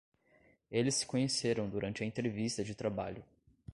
Eles se conheceram durante a entrevista de trabalho